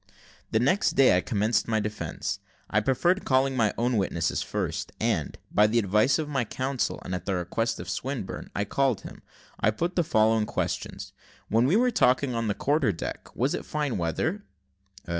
The next day I commenced my defence: I preferred calling my own witnesses first, and, by the advice of my counsel, and at the request of Swinburne, I called him. I put the following questions: "When we were talking on the quarter deck, was it fine weather?"